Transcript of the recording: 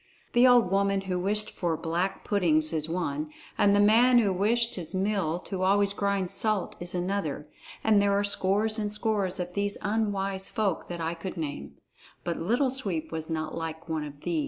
The old woman who wished for black puddings is one, and the man who wished his mill to always grind salt is another. And there are scores and scores of these unwise folk that I could name. But Little Sweep was not like one of these.